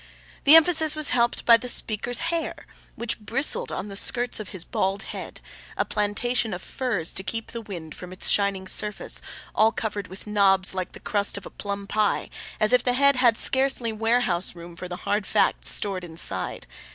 The emphasis was helped by the speaker's hair, which bristled on the skirts of his bald head, a plantation of firs to keep the wind from its shining surface, all covered with knobs, like the crust of a plum pie, as if the head had scarcely warehouse room for the hard facts stored inside.